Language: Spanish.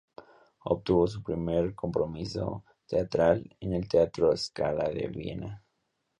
Obtuvo su primer compromiso teatral en el Teatro Scala de Viena.